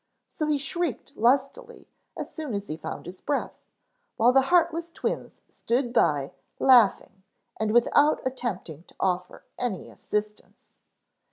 So he shrieked lustily as soon as he found his breath, while the heartless twins stood by laughing and without attempting to offer any assistance.